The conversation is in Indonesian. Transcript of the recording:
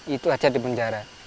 itu aja dipenjara